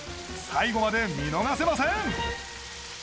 最後まで見逃せません